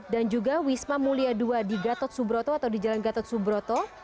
dan juga wisma mulia dua di gatot subroto atau di jalan gatot subroto